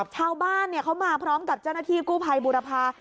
ชาวบ้านเขามาพร้อมกับเจ้าหน้าที่กู้ภัยบุรพา